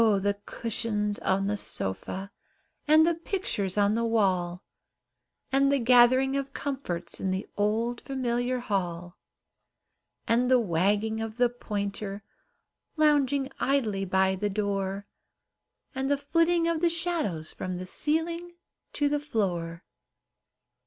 the cushions on the sofa, And the pictures on the wall, And the gathering of comforts, In the old familiar hall; And the wagging of the pointer, Lounging idly by the door, And the flitting of the shadows From the ceiling to the floor.